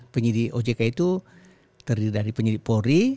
penyedik ojk itu terdiri dari penyedik polri